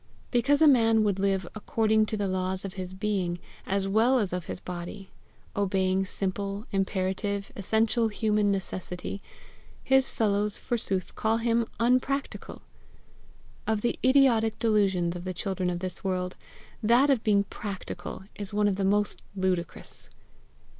Because a man would live according to the laws of his being as well as of his body, obeying simple, imperative, essential human necessity, his fellows forsooth call him UNPRACTICAL! Of the idiotic delusions of the children of this world, that of being practical is one of the most ludicrous.